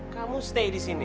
kamu stay disini